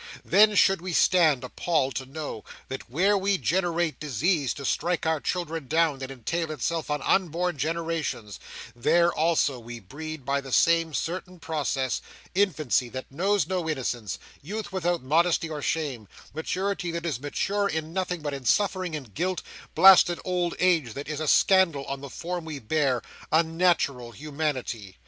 Then should we stand appalled to know, that where we generate disease to strike our children down and entail itself on unborn generations, there also we breed, by the same certain process, infancy that knows no innocence, youth without modesty or shame, maturity that is mature in nothing but in suffering and guilt, blasted old age that is a scandal on the form we bear, unnatural humanity!